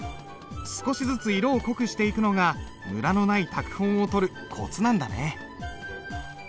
少しずつ色を濃くしていくのがムラのない拓本をとるコツなんだね。